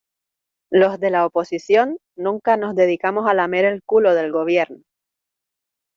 Los de la oposición nunca nos dedicamos a lamer el culo del Gobierno.